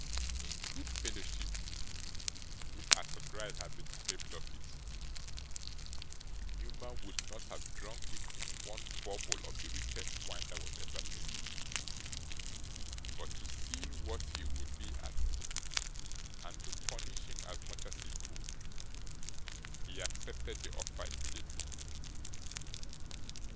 In good fellowship (if Arthur Gride had been capable of it) Newman would not have drunk with him one bubble of the richest wine that was ever made; but to see what he would be at, and to punish him as much as he could, he accepted the offer immediately.